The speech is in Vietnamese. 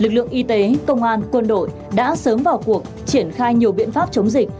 lực lượng y tế công an quân đội đã sớm vào cuộc triển khai nhiều biện pháp chống dịch